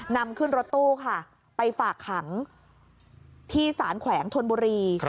นำขึ้นรถตู้ค่ะไปฝากขังที่สารแขวงธนบุรี